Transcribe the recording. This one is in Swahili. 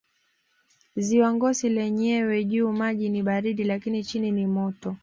Ziwa Ngosi lenyewe juu maji ni baridi lakini chini ni moto